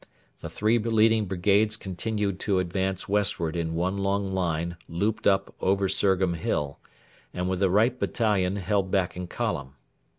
The three leading brigades continued to advance westward in one long line looped up over Surgham Hill, and with the right battalion held back in column.